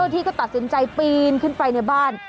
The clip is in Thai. ที่ก็ตัดสินใจปีนขึ้นไปในบ้าน